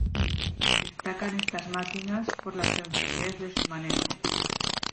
Destacan estas máquinas por la sencillez de su manejo.